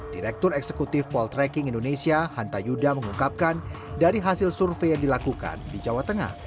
direktur eksekutif poltreking indonesia hanta yuda mengungkapkan dari hasil survei yang dilakukan di jawa tengah